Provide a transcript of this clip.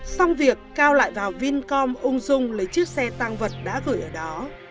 xong việc cao lại vào vincom ung dung lấy chiếc xe tăng vật đã gửi ở đó